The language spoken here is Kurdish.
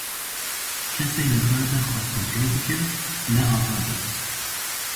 Kesê nikaribe xwe kontrol bike, ne azad e.